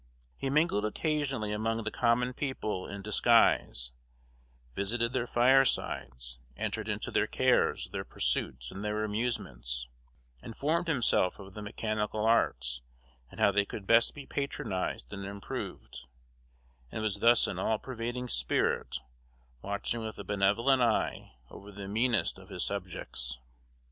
He mingled occasionally among the common people in disguise; visited their firesides; entered into their cares, their pursuits, and their amusements; informed himself of the mechanical arts, and how they could best be patronized and improved; and was thus an all pervading spirit, watching with a benevolent eye over the meanest of his subjects.